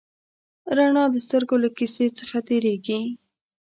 رڼا د سترګو له کسي څخه تېرېږي.